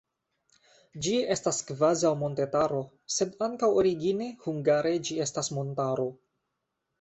Ĝi estas kvazaŭ montetaro, sed ankaŭ origine hungare ĝi estas montaro.